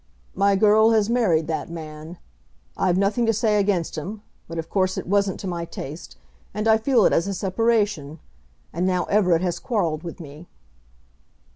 "My girl has married that man. I've nothing to say against him; but of course it wasn't to my taste; and I feel it as a separation. And now Everett has quarrelled with me."